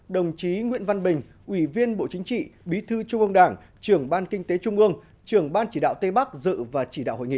đồng chí nguyễn văn bình ủy viên bộ chính trị bí thư trung ương đảng trưởng ban kinh tế trung ương trưởng ban chỉ đạo tây bắc dự và chỉ đạo hội nghị